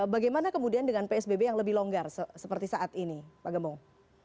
bagaimana kemudian dengan psbb yang lebih longgar seperti saat ini pak gembong